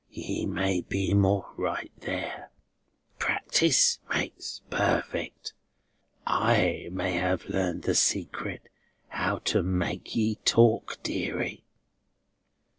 You may be more right there. Practice makes perfect. I may have learned the secret how to make ye talk, deary."